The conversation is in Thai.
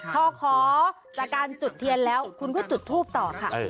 พอขอจากการจุดเทียนแล้วคุณก็จุดทูปต่อค่ะ